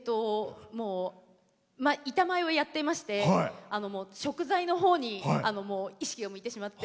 前、板前をやっていまして食材のほうに意識がいってしまって。